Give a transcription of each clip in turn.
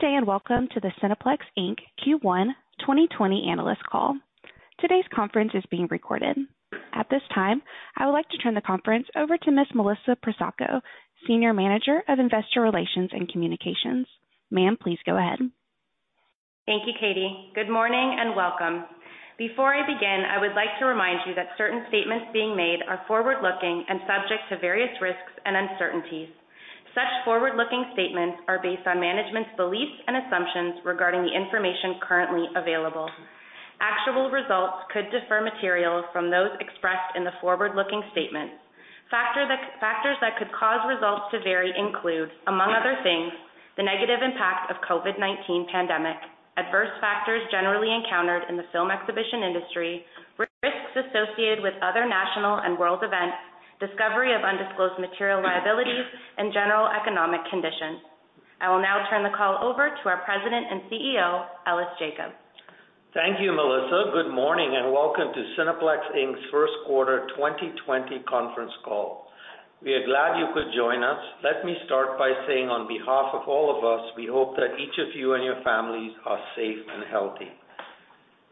Good day, welcome to the Cineplex Inc. Q1 2020 analyst call. Today's conference is being recorded. At this time, I would like to turn the conference over to Ms. Melissa Pressacco, Senior Manager of Investor Relations and Communications. Ma'am, please go ahead. Thank you, Katie. Good morning and welcome. Before I begin, I would like to remind you that certain statements being made are forward-looking and subject to various risks and uncertainties. Such forward-looking statements are based on management's beliefs and assumptions regarding the information currently available. Actual results could differ materially from those expressed in the forward-looking statements. Factors that could cause results to vary include, among other things, the negative impact of COVID-19 pandemic, adverse factors generally encountered in the film exhibition industry, risks associated with other national and world events, discovery of undisclosed material liabilities, and general economic conditions. I will now turn the call over to our President and CEO, Ellis Jacob. Thank you, Melissa. Good morning and welcome to Cineplex Inc.'s first quarter 2020 conference call. We are glad you could join us. Let me start by saying on behalf of all of us, we hope that each of you and your families are safe and healthy.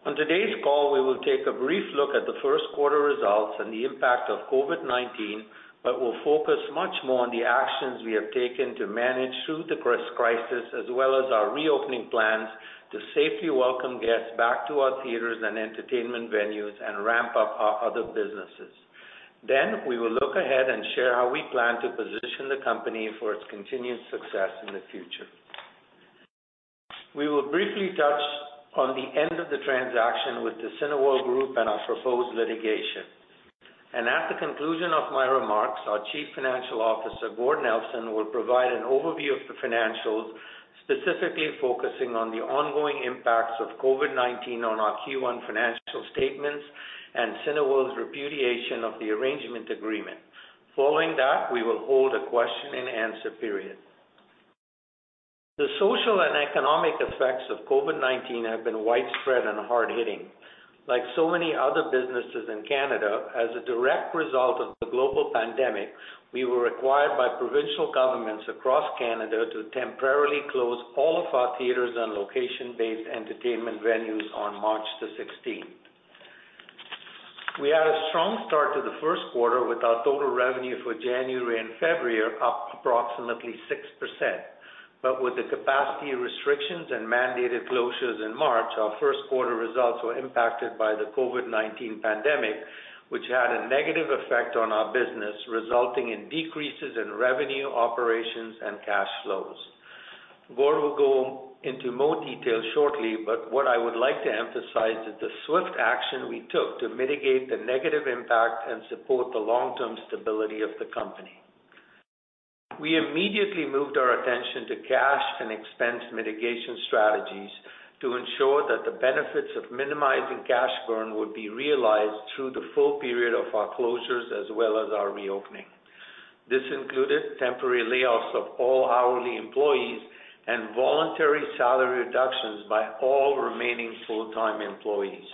On today's call, we will take a brief look at the first quarter results and the impact of COVID-19, but we'll focus much more on the actions we have taken to manage through the crisis, as well as our reopening plans to safely welcome guests back to our theaters and entertainment venues and ramp up our other businesses. We will look ahead and share how we plan to position the company for its continued success in the future. We will briefly touch on the end of the transaction with the Cineworld Group and our proposed litigation. At the conclusion of my remarks, our Chief Financial Officer, Gord Nelson, will provide an overview of the financials, specifically focusing on the ongoing impacts of COVID-19 on our Q1 financial statements and Cineworld's repudiation of the arrangement agreement. Following that, we will hold a question-and-answer period. The social and economic effects of COVID-19 have been widespread and hard-hitting. Like so many other businesses in Canada, as a direct result of the global pandemic, we were required by provincial governments across Canada to temporarily close all of our theaters and location-based entertainment venues on March the 16th. We had a strong start to the first quarter with our total revenue for January and February up approximately 6%. With the capacity restrictions and mandated closures in March, our first quarter results were impacted by the COVID-19 pandemic, which had a negative effect on our business, resulting in decreases in revenue operations and cash flows. Gord will go into more detail shortly, but what I would like to emphasize is the swift action we took to mitigate the negative impact and support the long-term stability of the company. We immediately moved our attention to cash and expense mitigation strategies to ensure that the benefits of minimizing cash burn would be realized through the full period of our closures as well as our reopening. This included temporary layoffs of all hourly employees and voluntary salary reductions by all remaining full-time employees.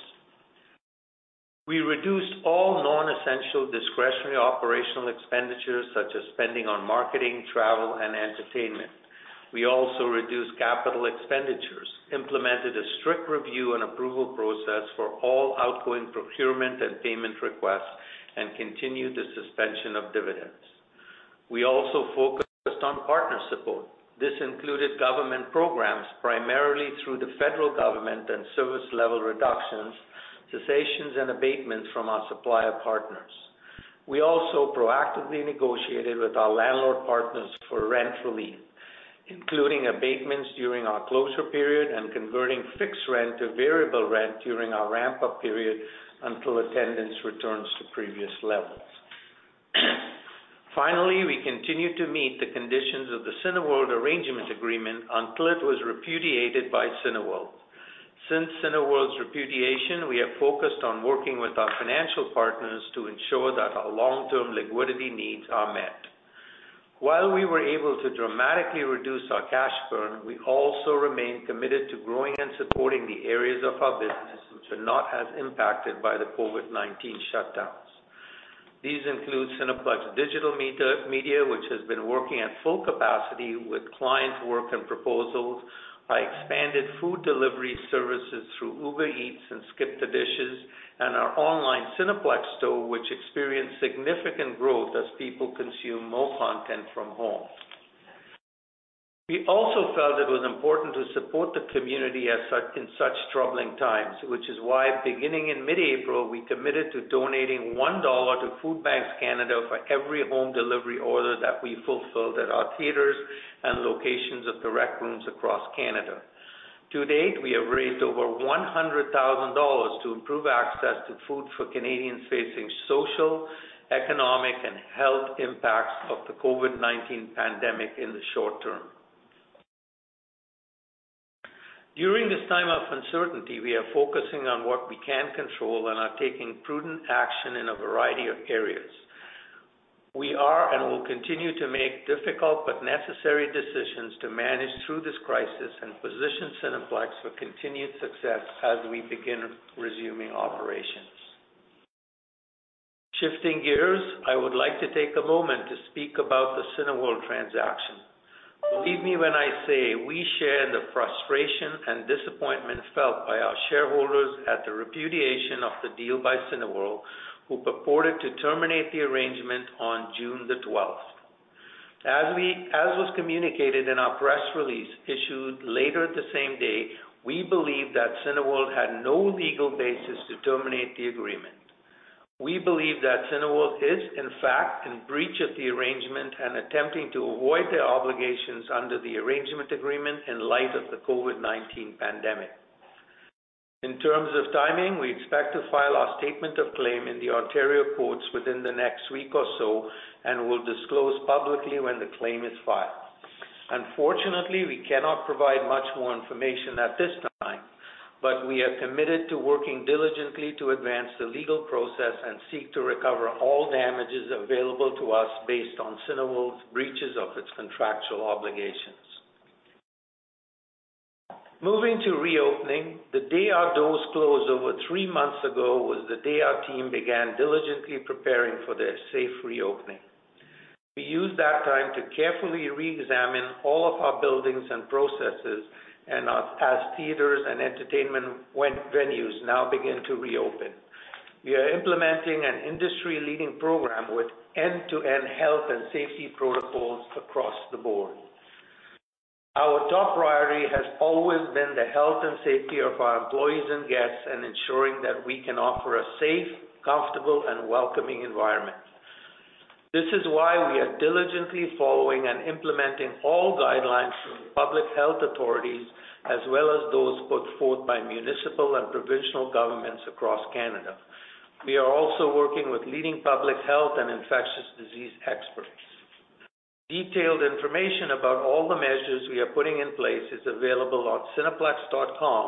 We reduced all non-essential discretionary operational expenditures, such as spending on marketing, travel, and entertainment. We also reduced capital expenditures, implemented a strict review and approval process for all outgoing procurement and payment requests, and continued the suspension of dividends. We also focused on partner support. This included government programs, primarily through the federal government and service-level reductions, cessations, and abatements from our supplier partners. We also proactively negotiated with our landlord partners for rent relief, including abatements during our closure period and converting fixed rent to variable rent during our ramp-up period until attendance returns to previous levels. Finally, we continued to meet the conditions of the Cineworld arrangement agreement until it was repudiated by Cineworld. Since Cineworld's repudiation, we have focused on working with our financial partners to ensure that our long-term liquidity needs are met. While we were able to dramatically reduce our cash burn, we also remain committed to growing and supporting the areas of our business which are not as impacted by the COVID-19 shutdowns. These include Cineplex Digital Media, which has been working at full capacity with client work and proposals, our expanded food delivery services through Uber Eats and SkipTheDishes, and our online Cineplex Store, which experienced significant growth as people consume more content from home. We also felt it was important to support the community in such troubling times, which is why beginning in mid-April, we committed to donating 1 dollar to Food Banks Canada for every home delivery order that we fulfilled at our theaters and locations with dine-in rooms across Canada. To date, we have raised over 100,000 dollars to improve access to food for Canadians facing social, economic, and health impacts of the COVID-19 pandemic in the short term. During this time of uncertainty, we are focusing on what we can control and are taking prudent action in a variety of areas. We are and will continue to make difficult but necessary decisions to manage through this crisis and position Cineplex for continued success as we begin resuming operations. Shifting gears, I would like to take a moment to speak about the Cineworld transaction. Believe me when I say we share the frustration and disappointment felt by our shareholders at the repudiation of the deal by Cineworld, who purported to terminate the arrangement on June the 12th. As was communicated in our press release issued later the same day, we believe that Cineworld had no legal basis to terminate the agreement. We believe that Cineworld is, in fact, in breach of the arrangement and attempting to avoid their obligations under the arrangement agreement in light of the COVID-19 pandemic. In terms of timing, we expect to file our statement of claim in the Ontario courts within the next week or so and will disclose publicly when the claim is filed. Unfortunately, we cannot provide much more information at this time, but we are committed to working diligently to advance the legal process and seek to recover all damages available to us based on Cineworld's breaches of its contractual obligations. Moving to reopening, the day our doors closed over three months ago was the day our team began diligently preparing for their safe reopening. We used that time to carefully reexamine all of our buildings and processes and as theaters and entertainment venues now begin to reopen. We are implementing an industry-leading program with end-to-end health and safety protocols across the board. Our top priority has always been the health and safety of our employees and guests and ensuring that we can offer a safe, comfortable, and welcoming environment. This is why we are diligently following and implementing all guidelines from public health authorities as well as those put forth by municipal and provincial governments across Canada. We are also working with leading public health and infectious disease experts. Detailed information about all the measures we are putting in place is available on cineplex.com.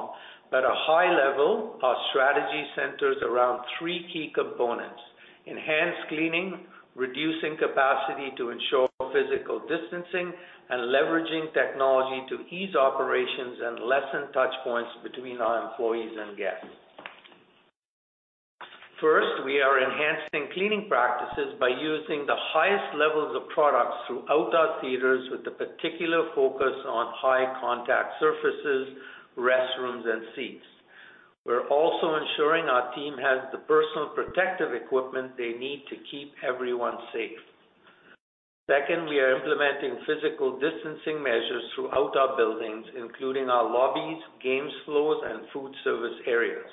At a high level, our strategy centers around three key components: enhanced cleaning, reducing capacity to ensure physical distancing, and leveraging technology to ease operations and lessen touchpoints between our employees and guests. First, we are enhancing cleaning practices by using the highest levels of products throughout our theaters with a particular focus on high-contact surfaces, restrooms, and seats. We're also ensuring our team has the personal protective equipment they need to keep everyone safe. Second, we are implementing physical distancing measures throughout our buildings, including our lobbies, game floors, and food service areas.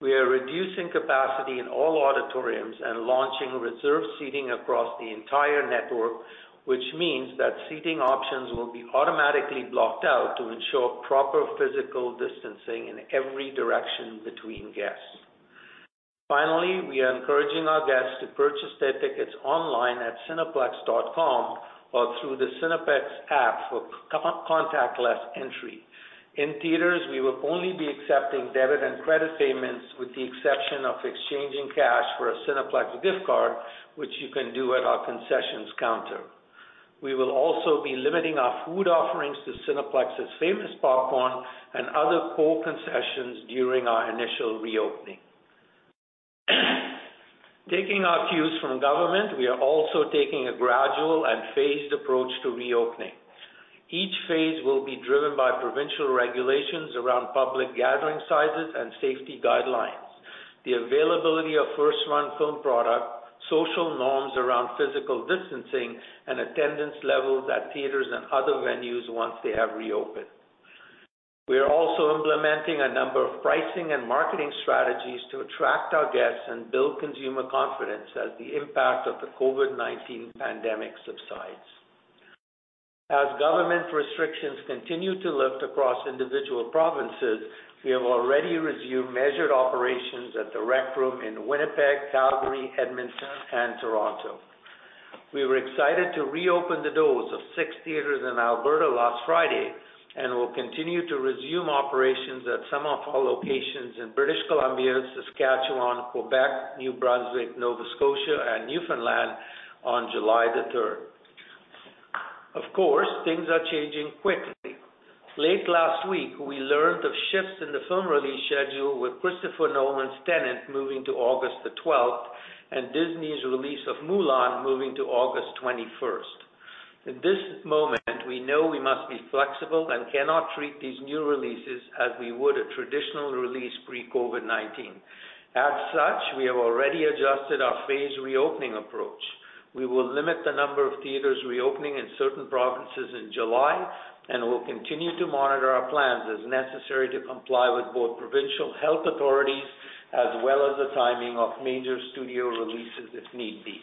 We are reducing capacity in all auditoriums and launching reserved seating across the entire network, which means that seating options will be automatically blocked out to ensure proper physical distancing in every direction between guests. Finally, we are encouraging our guests to purchase their tickets online at cineplex.com or through the Cineplex app for contactless entry. In theaters, we will only be accepting debit and credit payments with the exception of exchanging cash for a Cineplex gift card, which you can do at our concessions counter. We will also be limiting our food offerings to Cineplex's famous popcorn and other cold concessions during our initial reopening. Taking our cues from government, we are also taking a gradual and phased approach to reopening. Each phase will be driven by provincial regulations around public gathering sizes and safety guidelines, the availability of first-run film product, social norms around physical distancing, and attendance levels at theaters and other venues once they have reopened. We are also implementing a number of pricing and marketing strategies to attract our guests and build consumer confidence as the impact of the COVID-19 pandemic subsides. As government restrictions continue to lift across individual provinces, we have already resumed measured operations at The Rec Room in Winnipeg, Calgary, Edmonton, and Toronto. We were excited to reopen the doors of six theaters in Alberta last Friday, and will continue to resume operations at some of our locations in British Columbia, Saskatchewan, Quebec, New Brunswick, Nova Scotia, and Newfoundland on July the 3rd. Of course, things are changing quickly. Late last week, we learned of shifts in the film release schedule with Christopher Nolan's Tenet moving to August 12th and Disney's release of Mulan moving to August 21st. In this moment, we know we must be flexible and cannot treat these new releases as we would a traditional release pre-COVID-19. We have already adjusted our phased reopening approach. We will limit the number of theaters reopening in certain provinces in July and will continue to monitor our plans as necessary to comply with both provincial health authorities as well as the timing of major studio releases if need be.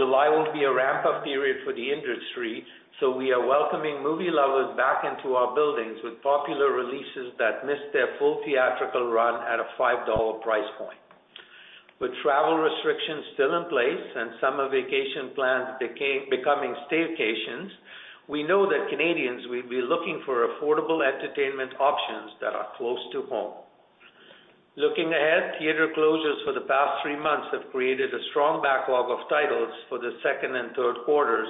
July will be a ramp-up period for the industry, so we are welcoming movie lovers back into our buildings with popular releases that missed their full theatrical run at a 5 dollar price point. With travel restrictions still in place and summer vacation plans becoming staycations, we know that Canadians will be looking for affordable entertainment options that are close to home. Looking ahead, theater closures for the past three months have created a strong backlog of titles for the second and third quarters.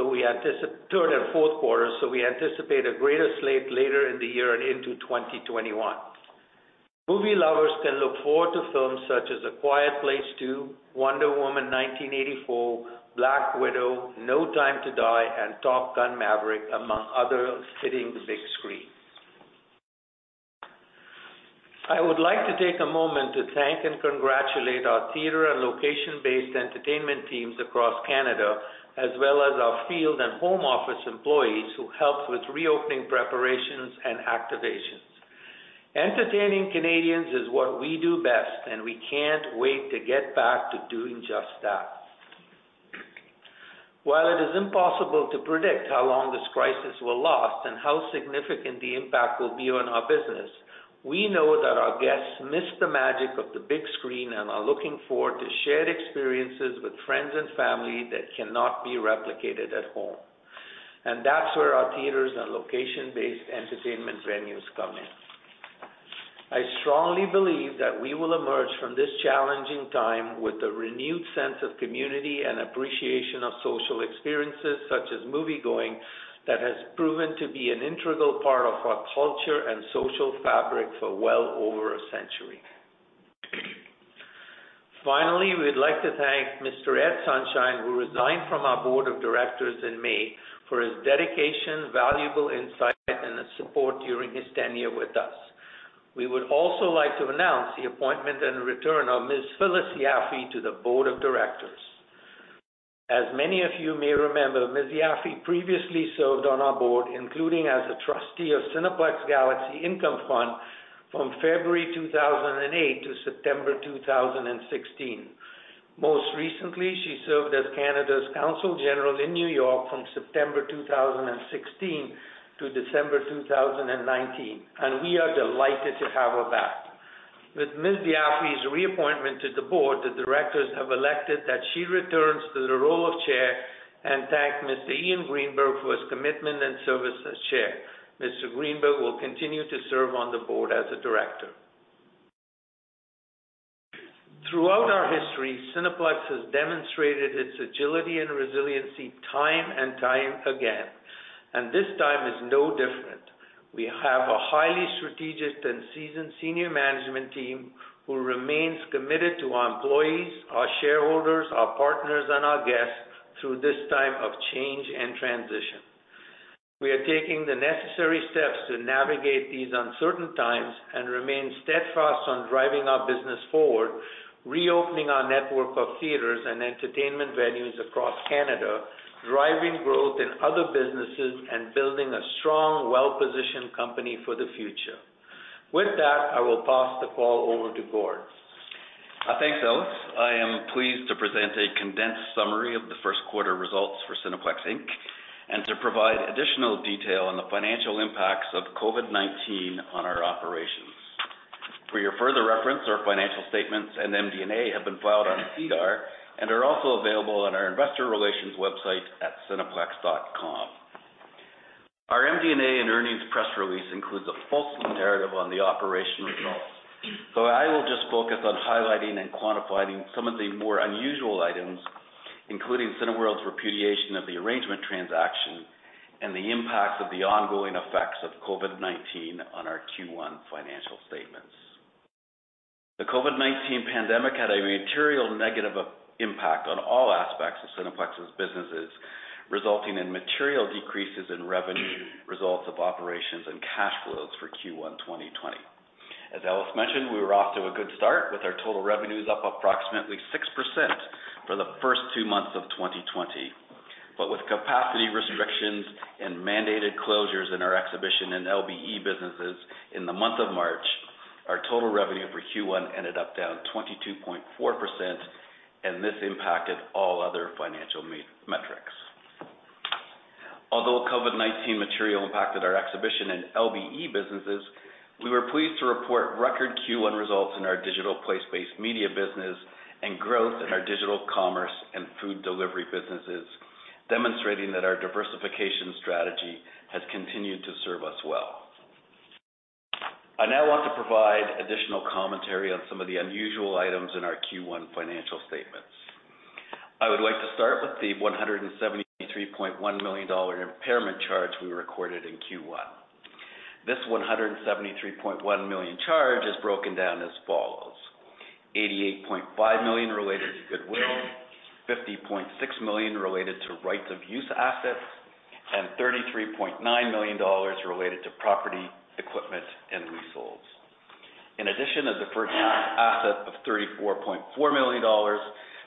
We anticipate third and fourth quarters, so we anticipate a greater slate later in the year and into 2021. Movie lovers can look forward to films such as "A Quiet Place Part II," "Wonder Woman 1984," "Black Widow," "No Time to Die," and "Top Gun: Maverick," among others hitting the big screen. I would like to take a moment to thank and congratulate our theater and location-based entertainment teams across Canada, as well as our field and home office employees who helped with reopening preparations and activations. Entertaining Canadians is what we do best, and we can't wait to get back to doing just that. While it is impossible to predict how long this crisis will last and how significant the impact will be on our business, we know that our guests miss the magic of the big screen and are looking forward to shared experiences with friends and family that cannot be replicated at home. That's where our theaters and location-based entertainment venues come in. I strongly believe that we will emerge from this challenging time with a renewed sense of community and appreciation of social experiences, such as movie-going, that has proven to be an integral part of our culture and social fabric for well over a century. Finally, we'd like to thank Mr. Ed Sonshine, who resigned from our board of directors in May, for his dedication, valuable insight, and his support during his tenure with us. We would also like to announce the appointment and return of Ms. Phyllis Yaffe to the board of directors. As many of you may remember, Ms. Yaffe previously served on our board, including as a trustee of Cineplex Galaxy Income Fund from February 2008 to September 2016. Most recently, she served as Canada's consul general in New York from September 2016 to December 2019, and we are delighted to have her back. With Ms. Yaffe's reappointment to the board, the directors have elected that she returns to the role of Chair and thank Mr. Ian Greenberg for his commitment and service as Chair. Mr. Greenberg will continue to serve on the board as a director. Throughout our history, Cineplex has demonstrated its agility and resiliency time and time again, and this time is no different. We have a highly strategic and seasoned senior management team who remains committed to our employees, our shareholders, our partners, and our guests through this time of change and transition. We are taking the necessary steps to navigate these uncertain times and remain steadfast on driving our business forward, reopening our network of theaters and entertainment venues across Canada, driving growth in other businesses, and building a strong, well-positioned company for the future. With that, I will pass the call over to Gord. Thanks, Ellis. I am pleased to present a condensed summary of the first quarter results for Cineplex Inc., and to provide additional detail on the financial impacts of COVID-19 on our operations. For your further reference, our financial statements and MD&A have been filed on SEDAR and are also available on our investor relations website at cineplex.com. Our MD&A and earnings press release includes a full narrative on the operational results. I will just focus on highlighting and quantifying some of the more unusual items, including Cineworld's repudiation of the arrangement transaction and the impacts of the ongoing effects of COVID-19 on our Q1 financial statements. The COVID-19 pandemic had a material negative impact on all aspects of Cineplex's businesses, resulting in material decreases in revenue, results of operations, and cash flows for Q1 2020. As Ellis mentioned, we were off to a good start with our total revenues up approximately 6% for the first two months of 2020. With capacity restrictions and mandated closures in our exhibition and LBE businesses in the month of March, our total revenue for Q1 ended up down 22.4%, and this impacted all other financial metrics. Although COVID-19 materially impacted our exhibition and LBE businesses, we were pleased to report record Q1 results in our digital place-based media business and growth in our digital commerce and food delivery businesses, demonstrating that our diversification strategy has continued to serve us well. I now want to provide additional commentary on some of the unusual items in our Q1 financial statements. I would like to start with the 173.1 million dollar impairment charge we recorded in Q1. This 173.1 million charge is broken down as follows: 88.5 million related to goodwill, 50.6 million related to rights of use assets, and 33.9 million dollars related to property, equipment, and leases. In addition a deferred tax asset of 34.4 million dollars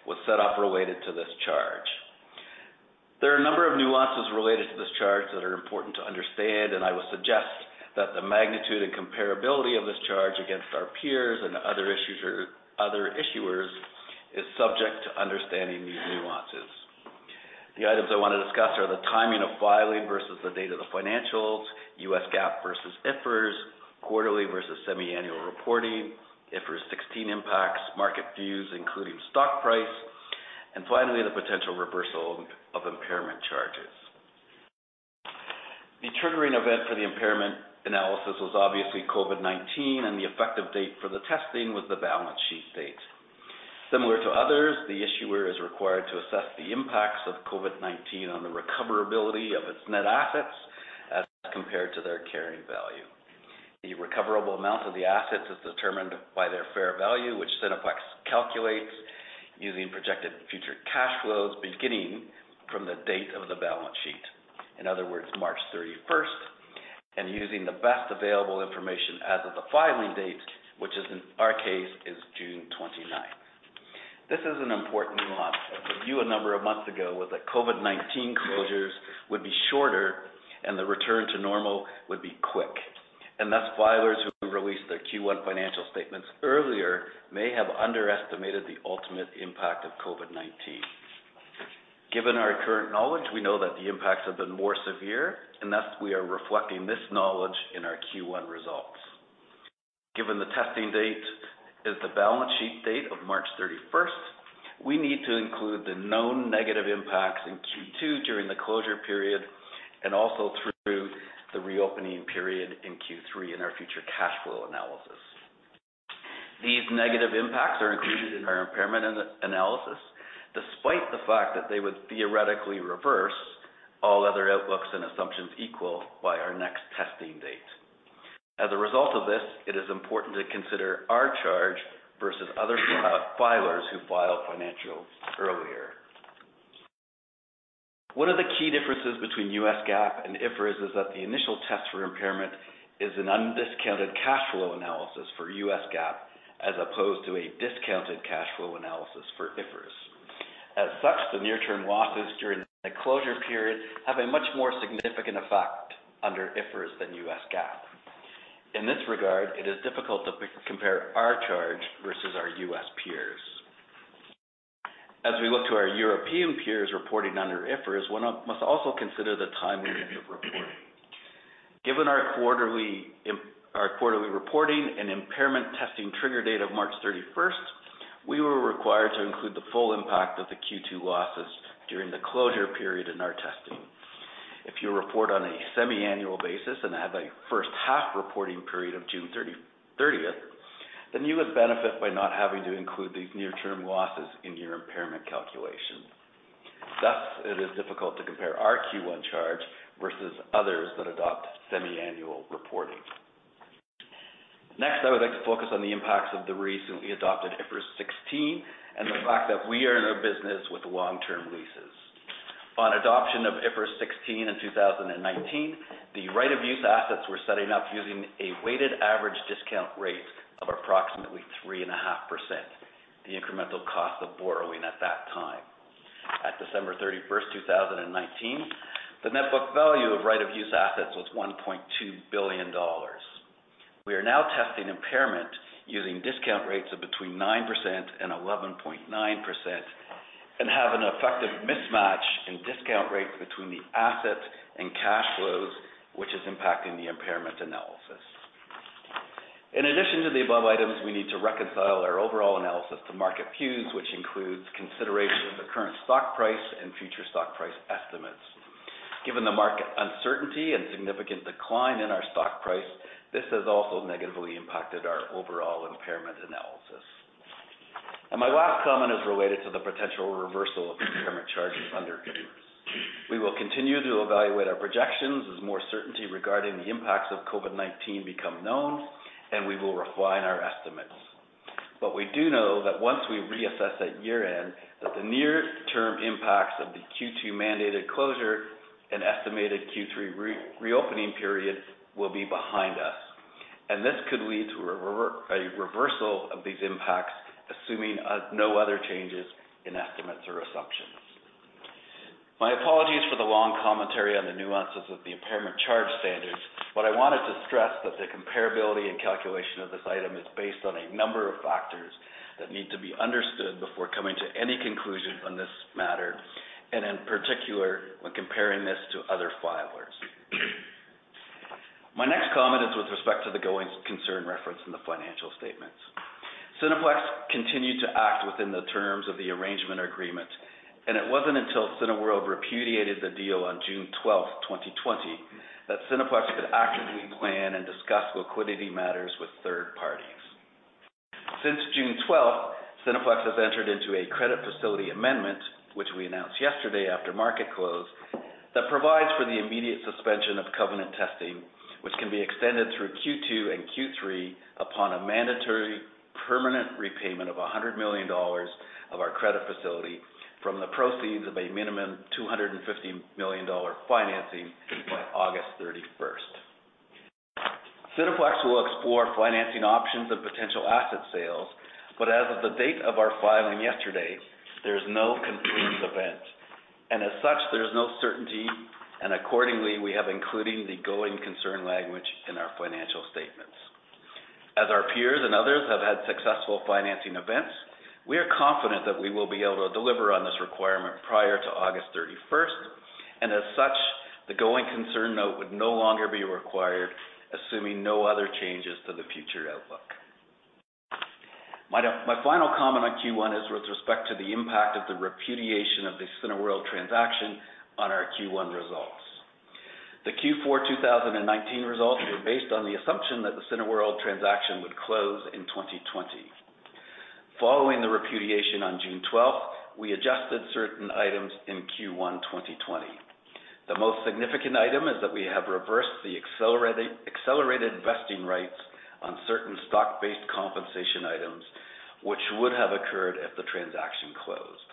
was set off related to this charge. There are a number of nuances related to this charge that are important to understand, and I would suggest that the magnitude and comparability of this charge against our peers and other issuers is subject to understanding these nuances. The items I want to discuss are the timing of filing versus the date of the financials, US GAAP versus IFRS, quarterly versus semi-annual reporting, IFRS 16 impacts, market views, including stock price, and finally, the potential reversal of impairment charges. Triggering event for the impairment analysis was obviously COVID-19, and the effective date for the testing was the balance sheet date. Similar to others, the issuer is required to assess the impacts of COVID-19 on the recoverability of its net assets as compared to their carrying value. The recoverable amount of the assets is determined by their fair value, which Cineplex calculates using projected future cash flows beginning from the date of the balance sheet, in other words, March 31st, and using the best available information as of the filing date, which in our case, is June 29th. This is an important nuance, as the view a number of months ago was that COVID-19 closures would be shorter and the return to normal would be quick. Thus, filers who released their Q1 financial statements earlier may have underestimated the ultimate impact of COVID-19. Given our current knowledge, we know that the impacts have been more severe, and thus we are reflecting this knowledge in our Q1 results. Given the testing date is the balance sheet date of March 31st, we need to include the known negative impacts in Q2 during the closure period, and also through the reopening period in Q3 in our future cash flow analysis. These negative impacts are included in our impairment analysis, despite the fact that they would theoretically reverse all other outlooks and assumptions equal by our next testing date. As a result of this, it is important to consider our charge versus other filers who filed financials earlier. One of the key differences between US GAAP and IFRS is that the initial test for impairment is an undiscounted cash flow analysis for US GAAP, as opposed to a discounted cash flow analysis for IFRS. As such, the near-term losses during the closure period have a much more significant effect under IFRS than US GAAP. In this regard, it is difficult to compare our charge versus our U.S. peers. As we look to our European peers reporting under IFRS, one must also consider the timing of reporting. Given our quarterly reporting and impairment testing trigger date of March 31st, we were required to include the full impact of the Q2 losses during the closure period in our testing. If you report on a semi-annual basis and have a first-half reporting period of June 30th, you would benefit by not having to include these near-term losses in your impairment calculation. Thus, it is difficult to compare our Q1 charge versus others that adopt semi-annual reporting. Next, I would like to focus on the impacts of the recently adopted IFRS 16 and the fact that we are in a business with long-term leases. On adoption of IFRS 16 in 2019, the right-of-use assets were set up using a weighted average discount rate of approximately 3.5%, the incremental cost of borrowing at that time. At December 31st, 2019, the net book value of right-of-use assets was 1.2 billion dollars. We are now testing impairment using discount rates of between 9% and 11.9%, and have an effective mismatch in discount rates between the assets and cash flows, which is impacting the impairment analysis. In addition to the above items, we need to reconcile our overall analysis to market views, which includes consideration of the current stock price and future stock price estimates. Given the market uncertainty and significant decline in our stock price, this has also negatively impacted our overall impairment analysis. My last comment is related to the potential reversal of impairment charges under IFRS. We will continue to evaluate our projections as more certainty regarding the impacts of COVID-19 become known. We will refine our estimates. We do know that once we reassess at year-end, that the near-term impacts of the Q2 mandated closure and estimated Q3 reopening period will be behind us. This could lead to a reversal of these impacts, assuming no other changes in estimates or assumptions. My apologies for the long commentary on the nuances of the impairment charge standards, but I wanted to stress that the comparability and calculation of this item is based on a number of factors that need to be understood before coming to any conclusion on this matter, and in particular, when comparing this to other filers. My next comment is with respect to the going concern referenced in the financial statements. Cineplex continued to act within the terms of the arrangement agreement, and it wasn't until Cineworld repudiated the deal on June 12th, 2020, that Cineplex could actively plan and discuss liquidity matters with third parties. Since June 12th, Cineplex has entered into a credit facility amendment, which we announced yesterday after market close, that provides for the immediate suspension of covenant testing, which can be extended through Q2 and Q3 upon a mandatory permanent repayment of 100 million dollars of our credit facility from the proceeds of a minimum 250 million dollar financing by August 31st. Cineplex will explore financing options of potential asset sales, but as of the date of our filing yesterday, there's no conclusive event, and as such, there's no certainty, and accordingly, we have including the going concern language in our financial statements. As our peers and others have had successful financing events, we are confident that we will be able to deliver on this requirement prior to August 31st, and as such, the going concern note would no longer be required, assuming no other changes to the future outlook. My final comment on Q1 is with respect to the impact of the repudiation of the Cineworld transaction on our Q1 results. The Q4 2019 results were based on the assumption that the Cineworld transaction would close in 2020. Following the repudiation on June 12th, we adjusted certain items in Q1 2020. The most significant item is that we have reversed the accelerated vesting rights on certain stock-based compensation items, which would have occurred if the transaction closed.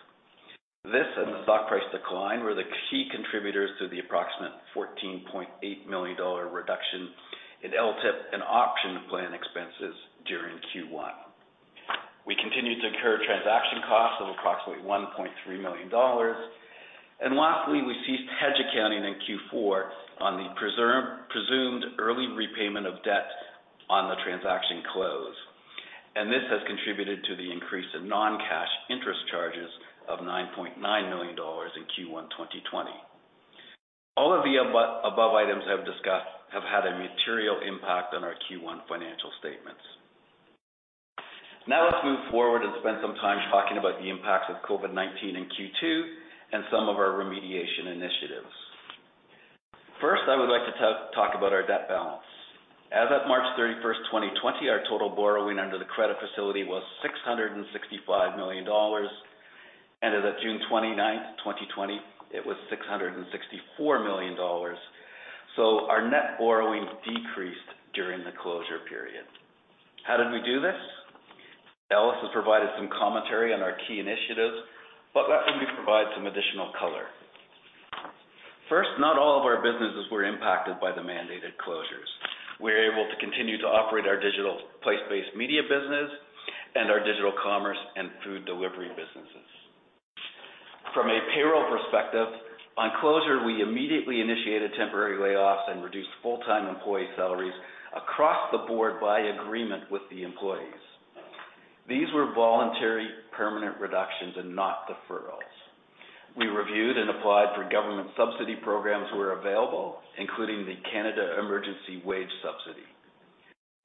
This and the stock price decline were the key contributors to the approximate 14.8 million dollar reduction in LTIP and option plan expenses during Q1. We continued to incur transaction costs of approximately 1.3 million dollars. Lastly, we ceased hedge accounting in Q4 on the presumed early repayment of debt on the transaction close. This has contributed to the increase in non-cash interest charges of 9.9 million dollars in Q1 2020. All of the above items I've discussed have had a material impact on our Q1 financial statements. Now let's move forward and spend some time talking about the impacts of COVID-19 in Q2 and some of our remediation initiatives. First, I would like to talk about our debt balance. As of March 31st, 2020, our total borrowing under the credit facility was 665 million dollars, and as of June 29th, 2020, it was 664 million dollars. Our net borrowing decreased during the closure period. How did we do this? Ellis has provided some commentary on our key initiatives, but let me provide some additional color. First, not all of our businesses were impacted by the mandated closures. We were able to continue to operate our digital place-based media business and our digital commerce and food delivery businesses. From a payroll perspective, on closure, we immediately initiated temporary layoffs and reduced full-time employee salaries across the board by agreement with the employees. These were voluntary permanent reductions and not deferrals. We reviewed and applied for government subsidy programs where available, including the Canada Emergency Wage Subsidy.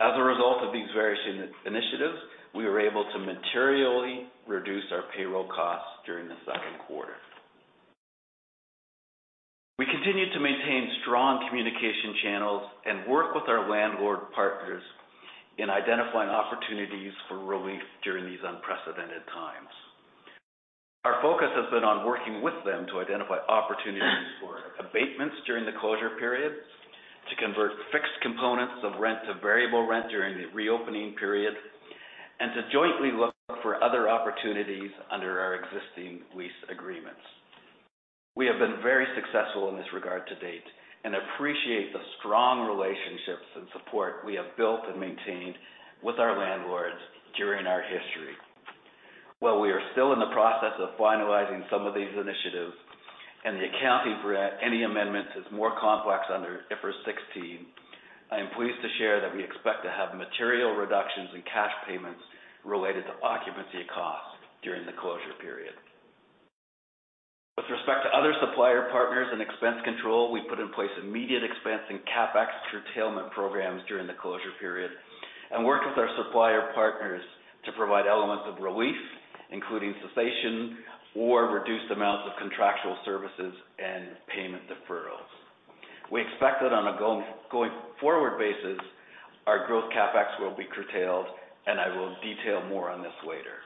As a result of these various initiatives, we were able to materially reduce our payroll costs during the second quarter. We continued to maintain strong communication channels and work with our landlord partners in identifying opportunities for relief during these unprecedented times. Our focus has been on working with them to identify opportunities for abatements during the closure period, to convert fixed components of rent to variable rent during the reopening period, and to jointly look for other opportunities under our existing lease agreements. We have been very successful in this regard to date and appreciate the strong relationships and support we have built and maintained with our landlords during our history. While we are still in the process of finalizing some of these initiatives and the accounting for any amendments is more complex under IFRS 16, I am pleased to share that we expect to have material reductions in cash payments related to occupancy costs during the closure period. With respect to other supplier partners and expense control, we put in place immediate expense and CapEx curtailment programs during the closure period and worked with our supplier partners to provide elements of relief, including cessation or reduced amounts of contractual services and payment deferrals. We expect that on a going forward basis, our growth CapEx will be curtailed, and I will detail more on this later.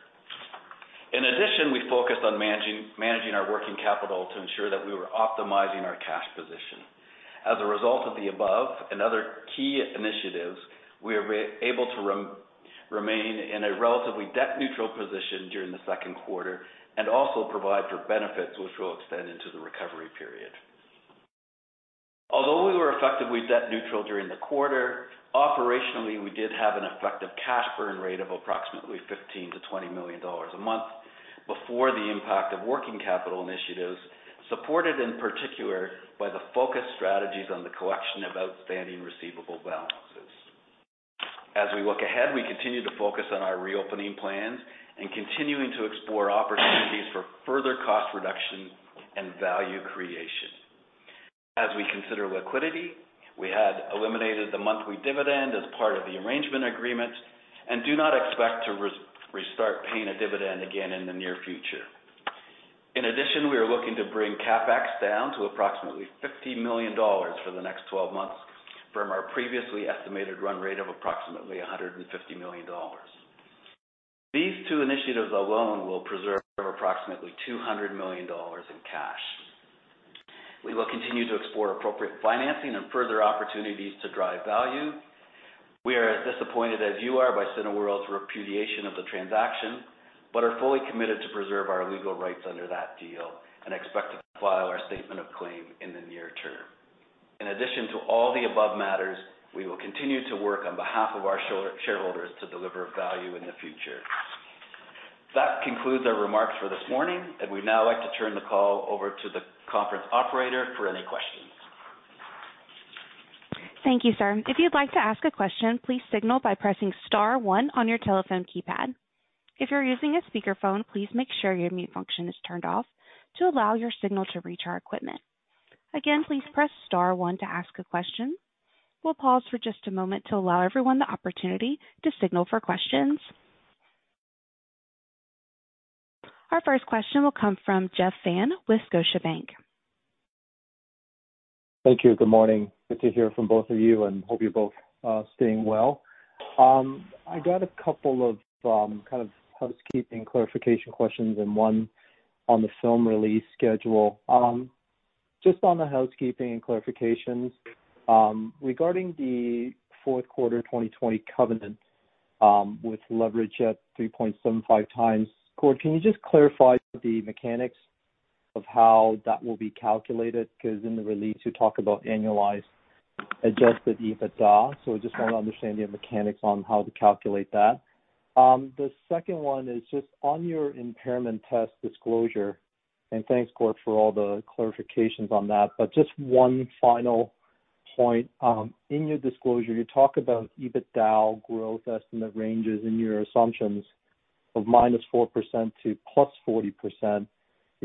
In addition, we focused on managing our working capital to ensure that we were optimizing our cash position. As a result of the above and other key initiatives, we were able to remain in a relatively debt-neutral position during the second quarter and also provide for benefits which will extend into the recovery period. Although we were effectively debt neutral during the quarter, operationally, we did have an effective cash burn rate of approximately 15 million to 20 million dollars a month before the impact of working capital initiatives, supported in particular by the focus strategies on the collection of outstanding receivable balances. As we look ahead, we continue to focus on our reopening plans and continuing to explore opportunities for further cost reduction and value creation. As we consider liquidity, we had eliminated the monthly dividend as part of the arrangement agreement and do not expect to restart paying a dividend again in the near future. In addition, we are looking to bring CapEx down to approximately 50 million dollars for the next 12 months from our previously estimated run rate of approximately 150 million dollars. These two initiatives alone will preserve approximately 200 million dollars in cash. We will continue to explore appropriate financing and further opportunities to drive value. We are as disappointed as you are by Cineworld's repudiation of the transaction, but are fully committed to preserve our legal rights under that deal and expect to file our statement of claim in the near term. In addition to all the above matters, we will continue to work on behalf of our shareholders to deliver value in the future. That concludes our remarks for this morning, and we'd now like to turn the call over to the conference operator for any questions. Thank you, sir. If you'd like to ask a question, please signal by pressing star one on your telephone keypad. If you're using a speakerphone, please make sure your mute function is turned off to allow your signal to reach our equipment. Again, please press star one to ask a question. We'll pause for just a moment to allow everyone the opportunity to signal for questions. Our first question will come from Jeff Fan with Scotiabank. Thank you. Good morning. Good to hear from both of you, and hope you're both staying well. I got a couple of housekeeping clarification questions and one on the film release schedule. On the housekeeping and clarifications, regarding the fourth quarter 2020 covenant with leverage at 3.75 times. Gord, can you just clarify the mechanics of how that will be calculated? In the release you talk about annualized, adjusted EBITDA, I just want to understand the mechanics on how to calculate that. The second one is just on your impairment test disclosure, thanks, Gord, for all the clarifications on that. Just one final point. In your disclosure, you talk about EBITDA growth estimate ranges in your assumptions of -4% to +40%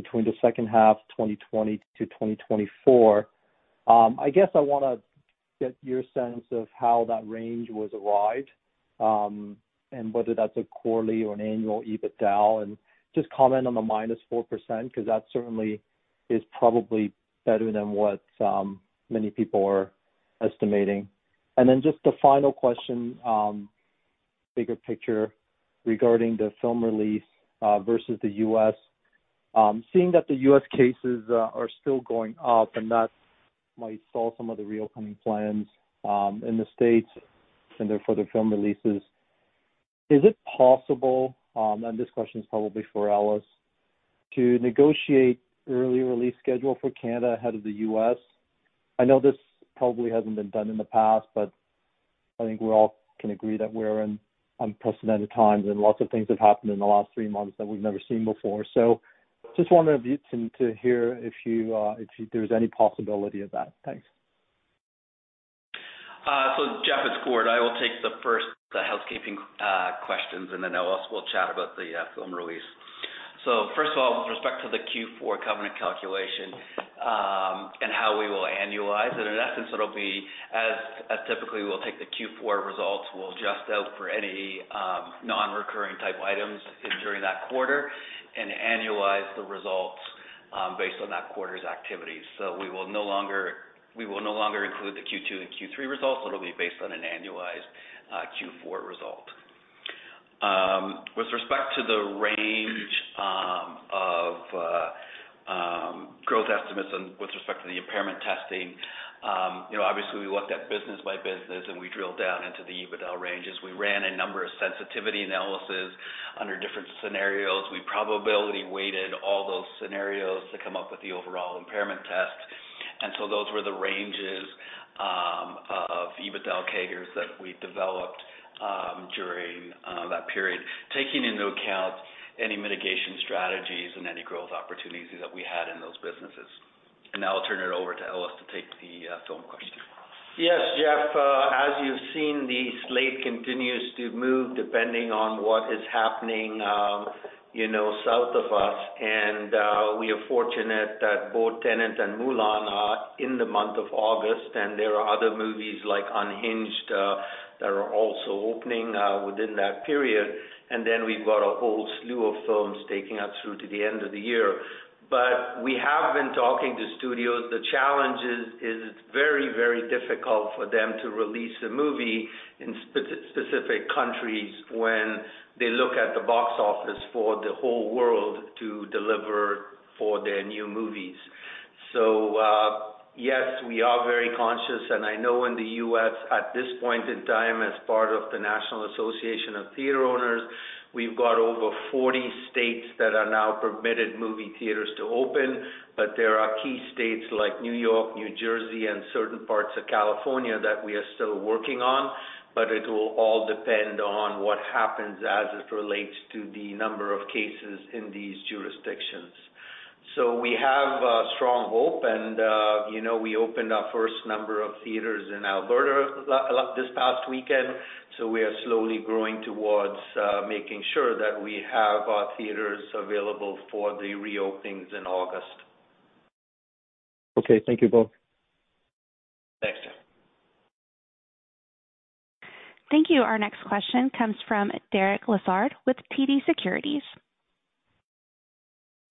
between the second half 2020 to 2024. I guess I want to get your sense of how that range was arrived, and whether that's a quarterly or an annual EBITDA, and just comment on the minus 4%, because that certainly is probably better than what many people are estimating. Then just the final question, bigger picture regarding the film release versus the U.S. Seeing that the U.S. cases are still going up and that might stall some of the reopening plans in the States and therefore the film releases, is it possible, and this question is probably for Ellis, to negotiate early release schedule for Canada ahead of the U.S.? I know this probably hasn't been done in the past, I think we all can agree that we're in unprecedented times, and lots of things have happened in the last three months that we've never seen before. Just wondering to hear if there's any possibility of that. Thanks. Jeff, it's Gord. I will take the first housekeeping questions, and then Ellis will chat about the film release. First of all, with respect to the Q4 covenant calculation, and how we will annualize it, in essence, it'll be as typically, we'll take the Q4 results, we'll adjust out for any non-recurring type items during that quarter and annualize the results based on that quarter's activities. We will no longer include the Q2 and Q3 results. It'll be based on an annualized Q4 result. With respect to the range of growth estimates and with respect to the impairment testing, obviously we looked at business by business, and we drilled down into the EBITDA ranges. We ran a number of sensitivity analysis under different scenarios. We probability weighted all those scenarios to come up with the overall impairment test. Those were the ranges of EBITDA CAGRs that we developed during that period, taking into account any mitigation strategies and any growth opportunities that we had in those businesses. Now I'll turn it over to Ellis to take the film question. Yes, Jeff, as you've seen, the slate continues to move depending on what is happening south of us. We are fortunate that both "Tenet" and "Mulan" are in the month of August, and there are other movies like "Unhinged" that are also opening within that period. Then we've got a whole slew of films taking us through to the end of the year. We have been talking to studios. The challenge is, it's very, very difficult for them to release a movie in specific countries when they look at the box office for the whole world to deliver for their new movies. Yes, we are very conscious, and I know in the U.S. at this point in time, as part of the National Association of Theatre Owners, we've got over 40 states that are now permitted movie theaters to open. There are key states like N.Y., N.J., and certain parts of California that we are still working on. It will all depend on what happens as it relates to the number of cases in these jurisdictions. We have a strong hope. We opened our first number of theaters in Alberta this past weekend. We are slowly growing towards making sure that we have our theaters available for the reopenings in August. Okay. Thank you both. Thanks. Thank you. Our next question comes from Derek Lessard with TD Securities.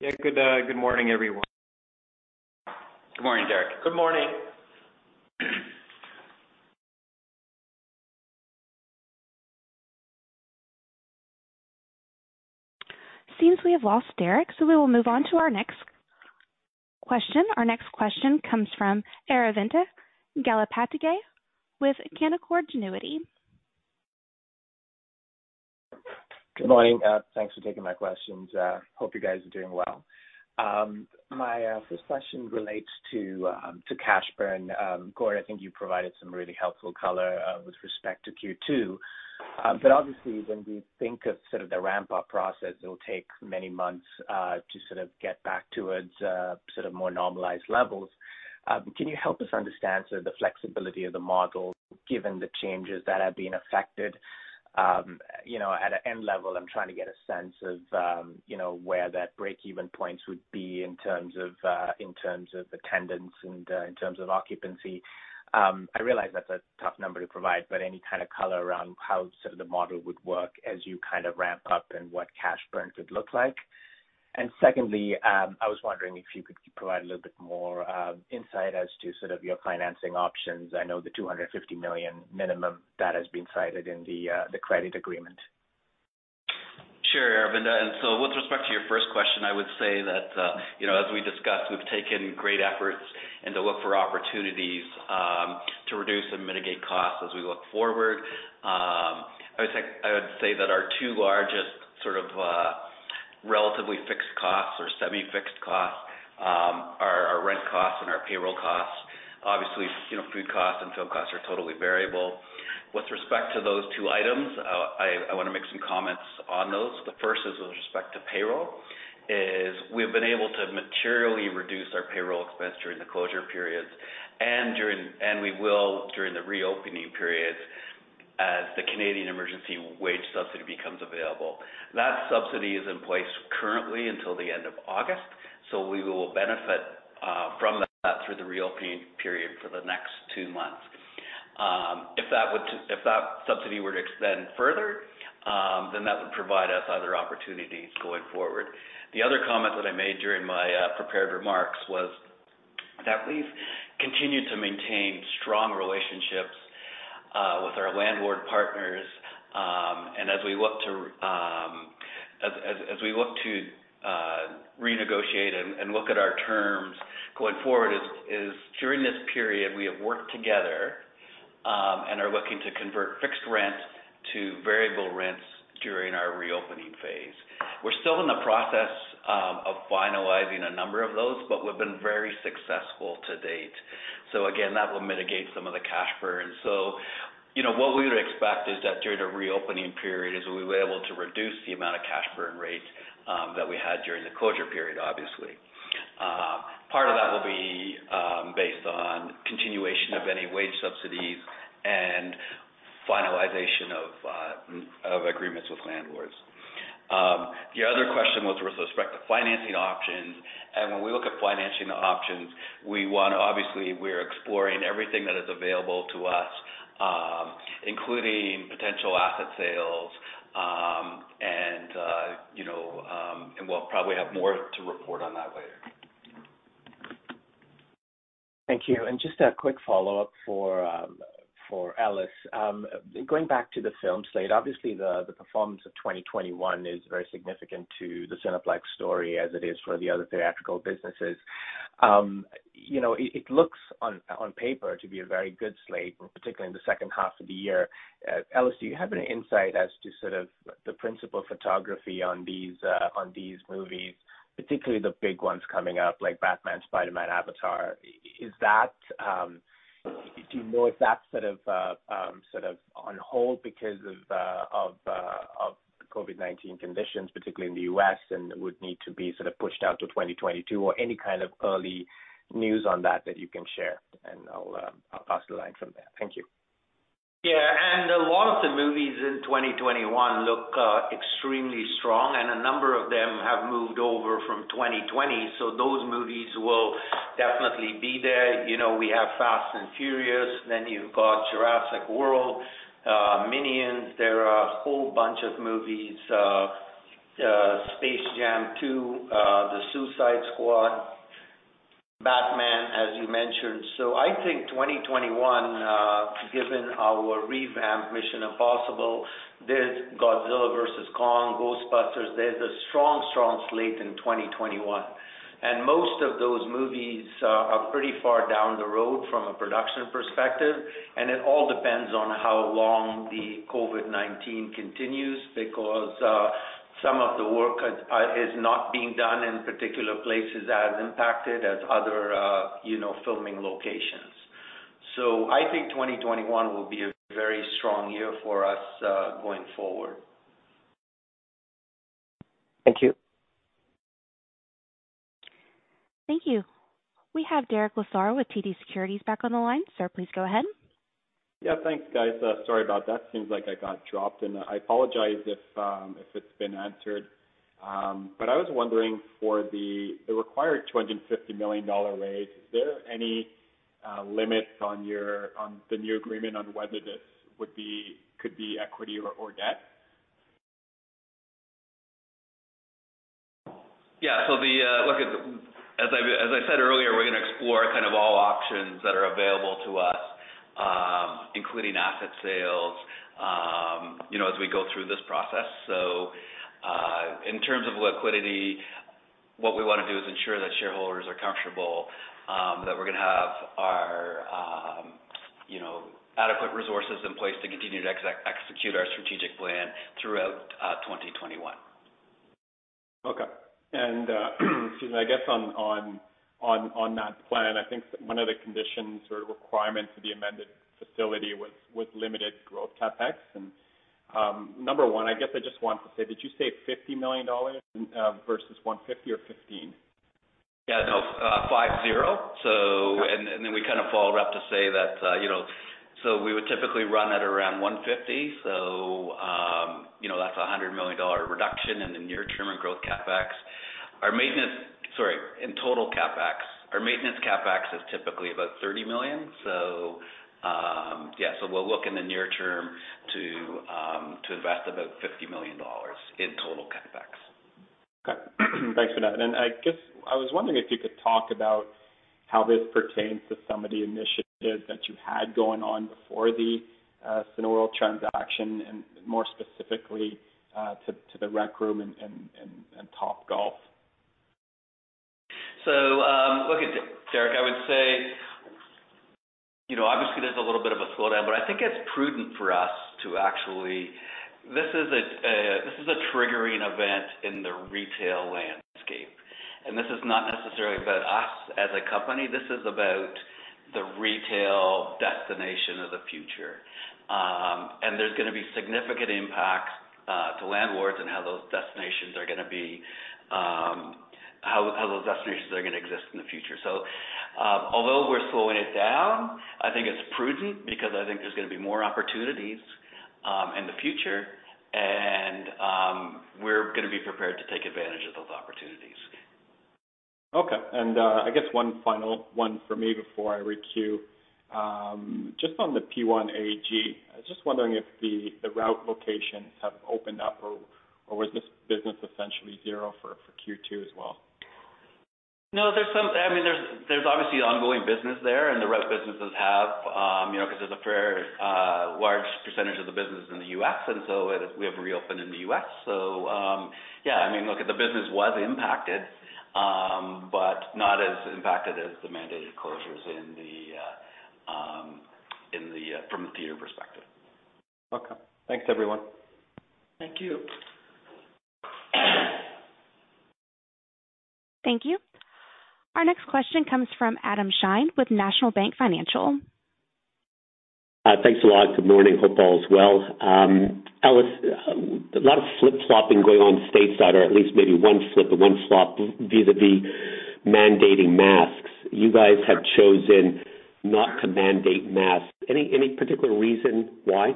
Yeah. Good morning, everyone. Good morning, Derek. Good morning. Seems we have lost Derek, so we will move on to our next question. Our next question comes from Aravinda Galappatthige with Canaccord Genuity. Good morning. Thanks for taking my questions. Hope you guys are doing well. My first question relates to cash burn. Gord, I think you provided some really helpful color with respect to Q2. Obviously, when we think of sort of the ramp-up process, it will take many months to sort of get back towards sort of more normalized levels. Can you help us understand the flexibility of the model given the changes that have been affected? At an end level, I'm trying to get a sense of where that breakeven points would be in terms of attendance and in terms of occupancy. I realize that's a tough number to provide, any kind of color around how the model would work as you ramp up and what cash burn could look like. Secondly, I was wondering if you could provide a little bit more insight as to your financing options. I know the 250 million minimum that has been cited in the credit agreement. Sure, Aravinda. With respect to your first question, I would say that, as we discussed, we've taken great efforts and to look for opportunities to reduce and mitigate costs as we look forward. I would say that our two largest sort of relatively fixed costs or semi-fixed costs are our rent costs and our payroll costs. Obviously, food costs and film costs are totally variable. With respect to those two items, I want to make some comments on those. The first is with respect to payroll, is we've been able to materially reduce our payroll expense during the closure periods and we will during the reopening periods as the Canada Emergency Wage Subsidy becomes available. That subsidy is in place currently until the end of August, so we will benefit from that through the reopening period for the next two months. If that subsidy were to extend further, then that would provide us other opportunities going forward. The other comment that I made during my prepared remarks was that we've continued to maintain strong relationships with our landlord partners. As we look to renegotiate and look at our terms going forward is, during this period, we have worked together and are looking to convert fixed rents to variable rents during our reopening phase. We're still in the process of finalizing a number of those, but we've been very successful to date. Again, that will mitigate some of the cash burn. What we would expect is that during the reopening period is we'll be able to reduce the amount of cash burn rate that we had during the closure period, obviously. Part of that will be based on continuation of any wage subsidies and finalization of agreements with landlords. The other question was with respect to financing options. When we look at financing options, obviously we are exploring everything that is available to us, including potential asset sales. We'll probably have more to report on that later. Thank you. Just a quick follow-up for Ellis. Going back to the film slate, obviously the performance of 2021 is very significant to the Cineplex story as it is for the other theatrical businesses. It looks on paper to be a very good slate, particularly in the second half of the year. Ellis, do you have any insight as to sort of the principal photography on these movies, particularly the big ones coming up like Batman, Spider-Man, Avatar? Do you know if that's sort of on hold because of COVID-19 conditions, particularly in the U.S., and would need to be sort of pushed out to 2022 or any kind of early news on that that you can share? I'll pass the line from there. Thank you. Yeah. A lot of the movies in 2021 look extremely strong, and a number of them have moved over from 2020. Those movies will definitely be there. We have "Fast & Furious," then you've got "Jurassic World," "Minions." There are a whole bunch of movies, "Space Jam 2," "The Suicide Squad," "Batman," as you mentioned. I think 2021, given our revamped "Mission: Impossible," there's "Godzilla vs. Kong," "Ghostbusters," there's a strong slate in 2021. Most of those movies are pretty far down the road from a production perspective. It all depends on how long the COVID-19 continues because some of the work is not being done in particular places as impacted as other filming locations. I think 2021 will be a very strong year for us going forward. Thank you. Thank you. We have Derek Lessard with TD Securities back on the line. Sir, please go ahead. Yeah, thanks, guys. Sorry about that. Seems like I got dropped. I apologize if it's been answered. I was wondering for the required 250 million dollar raise, is there any limits on the new agreement on whether this could be equity or debt? Yeah. Look, as I said earlier, we're going to explore kind of all options that are available to us, including asset sales as we go through this process. In terms of liquidity, what we want to do is ensure that shareholders are comfortable that we're going to have our adequate resources in place to continue to execute our strategic plan throughout 2021. Okay. Excuse me. I guess on that plan, I think one of the conditions or requirements of the amended facility was limited growth CapEx and number one, I guess I just want to say, did you say 50 million dollars versus 150 million or 15 million? Yeah, no, 50. We followed up to say that we would typically run at around 150 million, so that's a 100 million dollar reduction in the near term and growth CapEx. Sorry, in total CapEx. Our maintenance CapEx is typically about 30 million. We'll look in the near term to invest about 50 million dollars in total CapEx. Okay. Thanks for that. I guess I was wondering if you could talk about how this pertains to some of the initiatives that you had going on before the Cineworld transaction, and more specifically, to The Rec Room and Topgolf. Look, Derek, I would say, obviously there's a little bit of a slowdown, but I think it's prudent for us. This is a triggering event in the retail landscape, and this is not necessarily about us as a company, this is about the retail destination of the future. There's going to be significant impacts to landlords and how those destinations are going to exist in the future. Although we're slowing it down, I think it's prudent because I think there's going to be more opportunities in the future, and we're going to be prepared to take advantage of those opportunities. Okay. I guess one final one from me before I re-queue. Just on the PLF, I was just wondering if The Rec Room locations have opened up or was this business essentially zero for Q2 as well? No, there's obviously ongoing business there, and the route businesses have, because there's a fair large percentage of the business in the U.S., and so we have reopened in the U.S. Yeah, look, the business was impacted, but not as impacted as the mandated closures from a theater perspective. Okay. Thanks, everyone. Thank you. Thank you. Our next question comes from Adam Shine with National Bank Financial. Thanks a lot. Good morning. Hope all is well. Ellis, a lot of flip-flopping going on stateside, or at least maybe one flip and one flop vis-a-vis mandating masks. You guys have chosen not to mandate masks. Any particular reason why?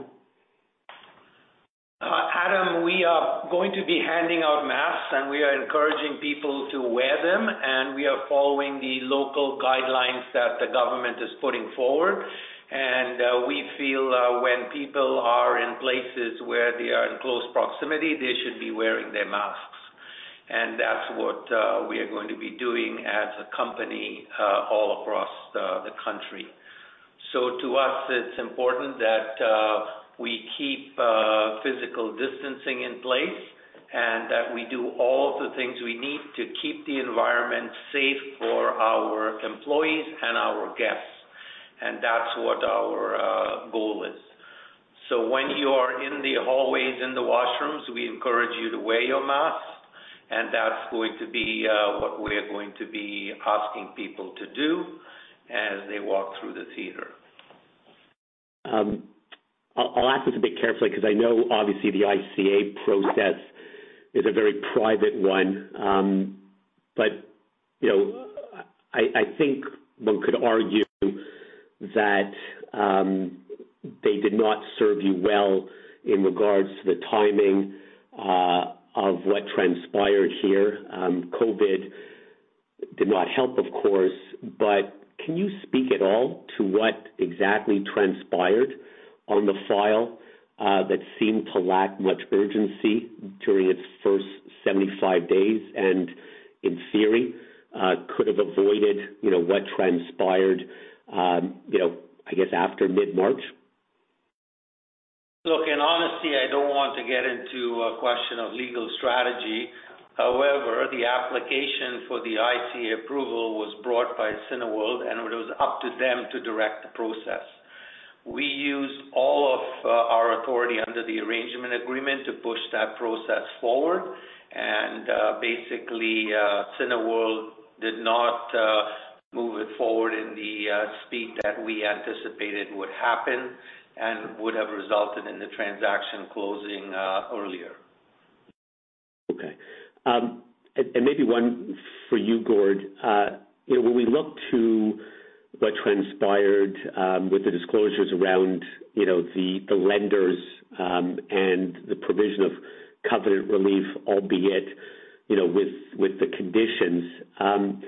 Adam, we are going to be handing out masks, and we are encouraging people to wear them, and we are following the local guidelines that the government is putting forward. We feel when people are in places where they are in close proximity, they should be wearing their masks. That's what we are going to be doing as a company all across the country. To us, it's important that we keep physical distancing in place and that we do all of the things we need to keep the environment safe for our employees and our guests, and that's what our goal is. When you are in the hallways, in the washrooms, we encourage you to wear your mask, and that's going to be what we're going to be asking people to do as they walk through the theater. I'll ask this a bit carefully because I know obviously the ICA process is a very private one. I think one could argue that they did not serve you well in regards to the timing of what transpired here. COVID did not help, of course, but can you speak at all to what exactly transpired on the file that seemed to lack much urgency during its first 75 days and, in theory, could have avoided what transpired, I guess, after mid-March? Look, in honesty, I don't want to get into a question of legal strategy. However, the application for the ICA approval was brought by Cineworld, and it was up to them to direct the process. We used all of our authority under the arrangement agreement to push that process forward, and basically, Cineworld did not move it forward in the speed that we anticipated would happen and would have resulted in the transaction closing earlier. Okay. Maybe one for you, Gord. When we look to what transpired with the disclosures around the lenders and the provision of covenant relief, albeit with the conditions,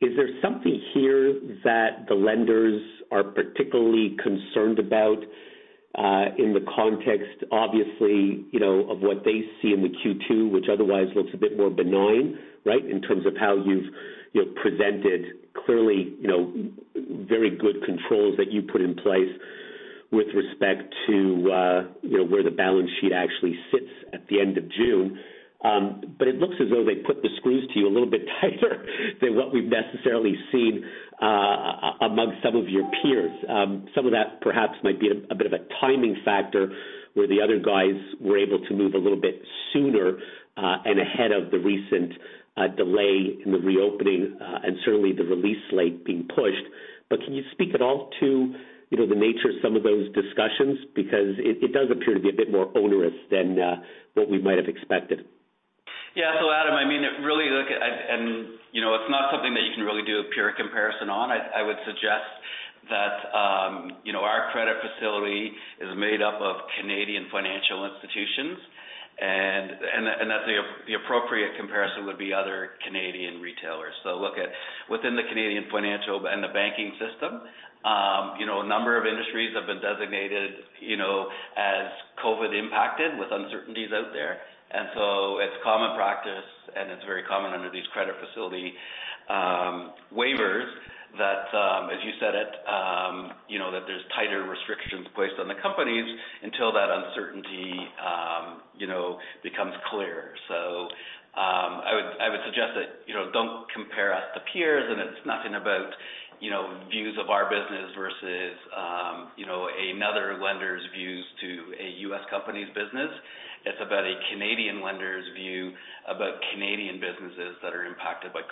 is there something here that the lenders are particularly concerned about in the context, obviously, of what they see in the Q2, which otherwise looks a bit more benign, right? In terms of how you've presented clearly very good controls that you put in place with respect to where the balance sheet actually sits at the end of June. It looks as though they put the screws to you a little bit tighter than what we've necessarily seen amongst some of your peers. Some of that perhaps might be a bit of a timing factor where the other guys were able to move a little bit sooner and ahead of the recent delay in the reopening, and certainly the release slate being pushed. Can you speak at all to the nature of some of those discussions? Because it does appear to be a bit more onerous than what we might have expected. Adam, it's not something that you can really do a pure comparison on. I would suggest that our credit facility is made up of Canadian financial institutions, and that the appropriate comparison would be other Canadian retailers. Look at within the Canadian financial and the banking system, a number of industries have been designated as COVID impacted with uncertainties out there. It's common practice, and it's very common under these credit facility waivers that, as you said it, that there's tighter restrictions placed on the companies until that uncertainty becomes clear. I would suggest that don't compare us to peers, and it's nothing about views of our business versus another lender's views to a U.S. company's business. It's about a Canadian lender's view about Canadian businesses that are impacted by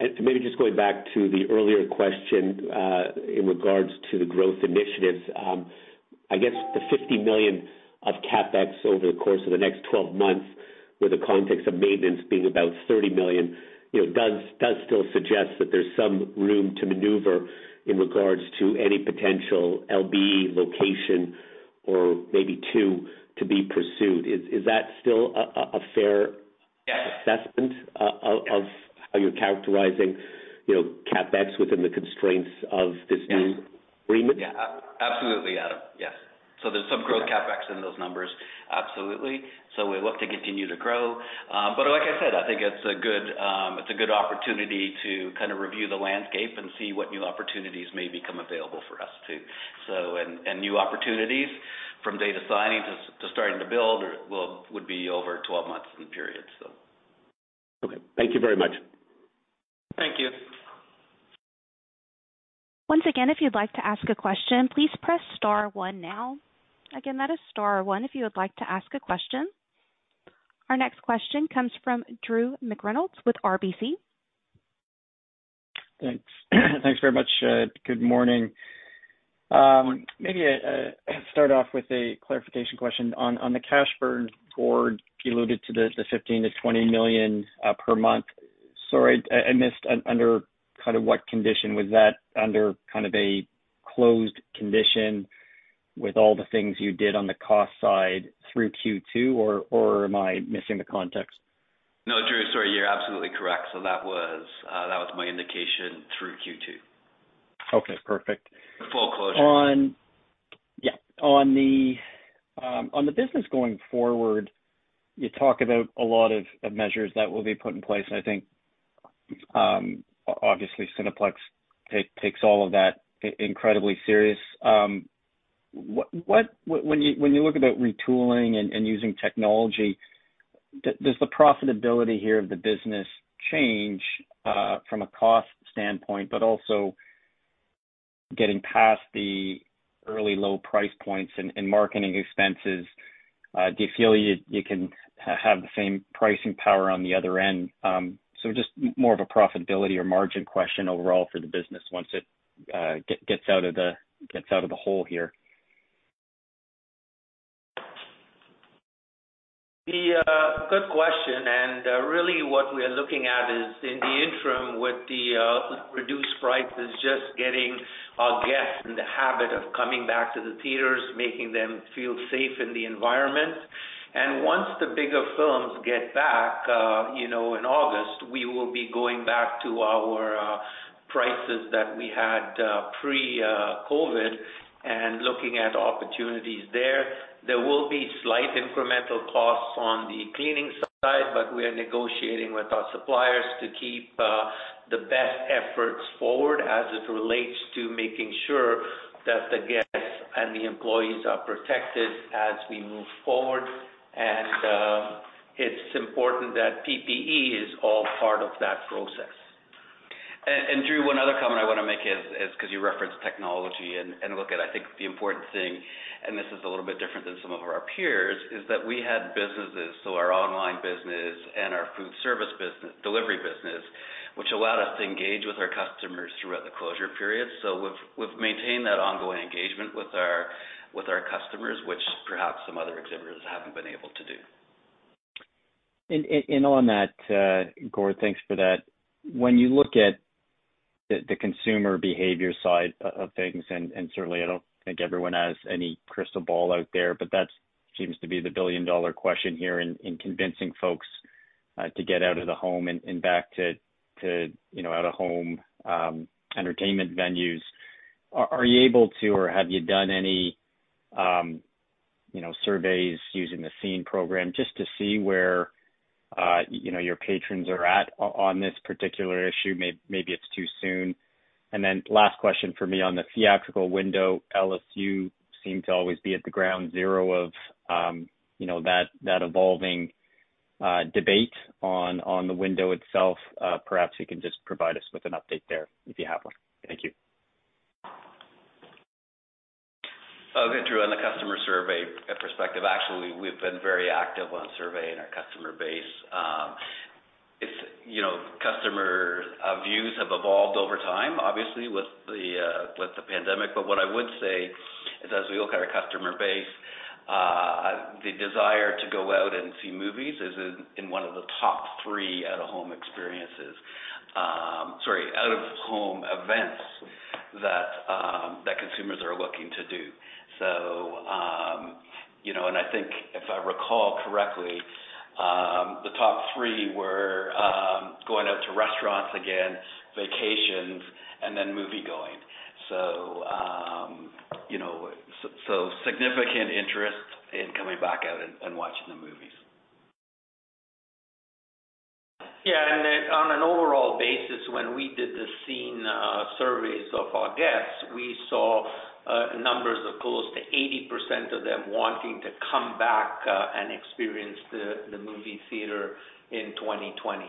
COVID-19. Maybe just going back to the earlier question, in regards to the growth initiatives. I guess the 50 million of CapEx over the course of the next 12 months, with the context of maintenance being about 30 million, does still suggest that there's some room to maneuver in regards to any potential LB location or maybe 2 to be pursued. Is that still a fair? Yes assessment of how you're characterizing CapEx within the constraints of this new- Yes agreement? Yeah. Absolutely, Adam. Yes. There's some growth CapEx in those numbers. Absolutely. We look to continue to grow. Like I said, I think it's a good opportunity to kind of review the landscape and see what new opportunities may become available for us too. New opportunities from date of signing to starting to build would be over 12 months in period. Okay. Thank you very much. Thank you. Once again, if you'd like to ask a question, please press star one now. Again, that is star one if you would like to ask a question. Our next question comes from Drew McReynolds with RBC. Thanks. Thanks very much. Good morning. Morning. Maybe I start off with a clarification question on the cash burn. Gord, you alluded to the 15 million-20 million per month. Sorry, I missed under kind of what condition was that under a closed condition with all the things you did on the cost side through Q2, or am I missing the context? No, Drew, sorry, you're absolutely correct. That was my indication through Q2. Okay, perfect. Full closure. On the business going forward, you talk about a lot of measures that will be put in place, and I think, obviously Cineplex takes all of that incredibly serious. When you look at retooling and using technology, does the profitability here of the business change, from a cost standpoint, but also getting past the early low price points and marketing expenses? Do you feel you can have the same pricing power on the other end? Just more of a profitability or margin question overall for the business once it gets out of the hole here. Good question, and really what we are looking at is in the interim with the reduced prices, just getting our guests in the habit of coming back to the theaters, making them feel safe in the environment. Once the bigger films get back in August, we will be going back to our prices that we had pre-COVID and looking at opportunities there. There will be slight incremental costs on the cleaning side, but we're negotiating with our suppliers to keep the best efforts forward as it relates to making sure that the guests and the employees are protected as we move forward. It's important that PPE is all part of that process. Drew, one other comment I want to make is because you referenced technology and look at, I think, the important thing, and this is a little bit different than some of our peers, is that we had businesses. Our online business and our food service delivery business, which allowed us to engage with our customers throughout the closure period. We've maintained that ongoing engagement with our customers, which perhaps some other exhibitors haven't been able to do. On that, Gord, thanks for that. When you look at the consumer behavior side of things, and certainly I don't think everyone has any crystal ball out there, but that seems to be the billion-dollar question here in convincing folks to get out of the home and back to out-of-home entertainment venues. Are you able to or have you done any surveys using the SCENE program just to see where your patrons are at on this particular issue? Maybe it's too soon. Then last question from me on the theatrical window. Ellis you seem to always be at the ground zero of that evolving debate on the window itself. Perhaps you can just provide us with an update there if you have one. Thank you. Customer survey perspective, actually, we've been very active on surveying our customer base. Customer views have evolved over time, obviously, with the pandemic. What I would say is, as we look at our customer base, the desire to go out and see movies is in one of the top 3 out-of-home experiences. Sorry, out-of-home events that consumers are looking to do. I think, if I recall correctly, the top 3 were going out to restaurants again, vacations, and then moviegoing. Significant interest in coming back out and watching the movies. Yeah. On an overall basis, when we did the SCENE surveys of our guests, we saw numbers of close to 80% of them wanting to come back and experience the movie theater in 2020.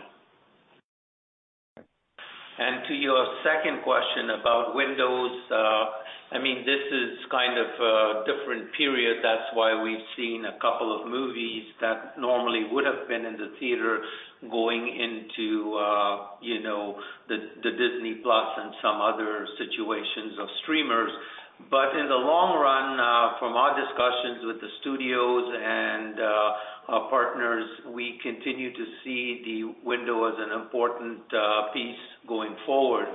To your second question about windows, this is kind of a different period. That's why we've seen a couple of movies that normally would've been in the theater going into the Disney+ and some other situations of streamers. In the long run, from our discussions with the studios and our partners, we continue to see the window as an important piece going forward.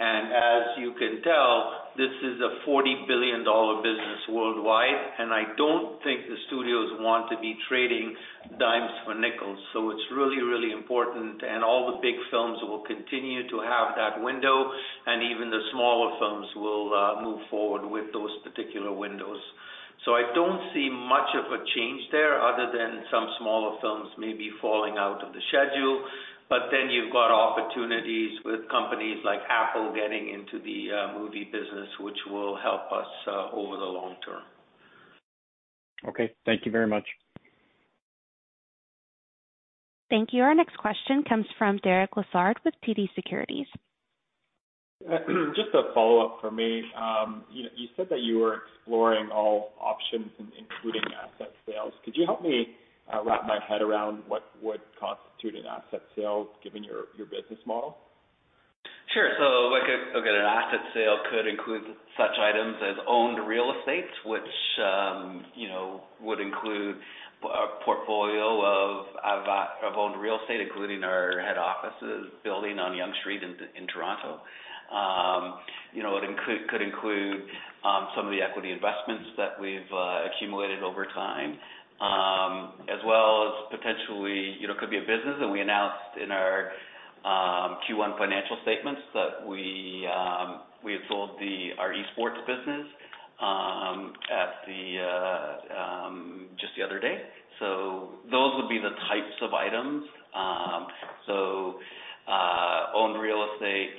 As you can tell, this is a 40 billion dollar business worldwide, and I don't think the studios want to be trading dimes for nickels. It's really, really important, and all the big films will continue to have that window, and even the smaller films will move forward with those particular windows. I don't see much of a change there other than some smaller films maybe falling out of the schedule. You've got opportunities with companies like Apple getting into the movie business, which will help us over the long term. Okay. Thank you very much. Thank you. Our next question comes from Derek Lessard with TD Securities. Just a follow-up from me. You said that you were exploring all options, including asset sales. Could you help me wrap my head around what would constitute an asset sale given your business model? Sure. Look, an asset sale could include such items as owned real estate, which would include a portfolio of owned real estate, including our head offices building on Yonge Street in Toronto. It could include some of the equity investments that we've accumulated over time, as well as potentially, it could be a business that we announced in our Q1 financial statements that we had sold our esports business just the other day. Those would be the types of items. Owned real estate,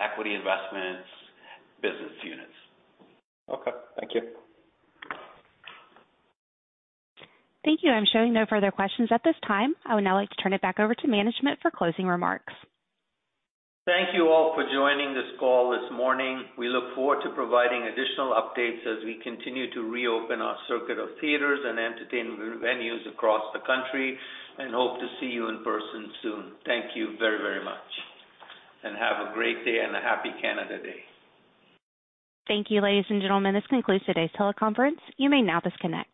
equity investments, business units. Okay. Thank you. Thank you. I'm showing no further questions at this time. I would now like to turn it back over to management for closing remarks. Thank you all for joining this call this morning. We look forward to providing additional updates as we continue to reopen our circuit of theaters and entertainment venues across the country, and hope to see you in person soon. Thank you very, very much. Have a great day and a happy Canada Day. Thank you, ladies and gentlemen. This concludes today's teleconference. You may now disconnect.